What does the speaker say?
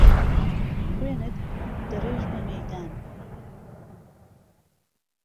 خوێنت دهرێژمه مهیدان